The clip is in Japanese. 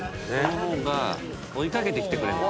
「この方が追い掛けてきてくれる」